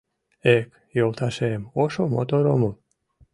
Эк, йолташем, ошо мотор омыл